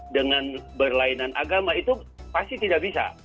dengan berlainan agama itu pasti tidak bisa